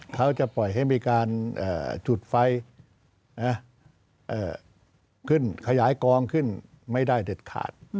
เขาจะปล่อยให้มีการจุดไฟขึ้นขยายกองขึ้นไม่ได้เด็ดขาด